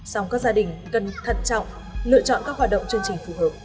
song các gia đình cần thận trọng lựa chọn các hoạt động chương trình phù hợp